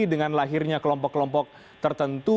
dengan lahirnya kelompok kelompok tertentu